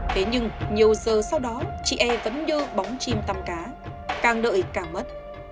thế nhưng nhiều giờ sau đó chị e vẫn đưa bóng chim tăm cá càng đợi càng mất